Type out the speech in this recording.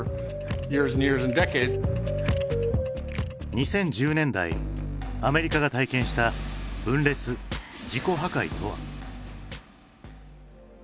２０１０年代アメリカが体験した分裂自己破壊とは？